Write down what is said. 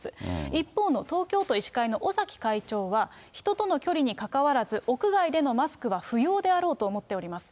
一方の東京都医師会の尾崎会長は、人との距離にかかわらず、屋外でのマスクは不要であろうと思っております。